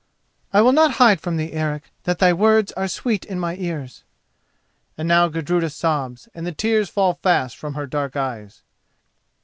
"I will not hide from thee, Eric, that thy words are sweet in my ears." And now Gudruda sobs and the tears fall fast from her dark eyes.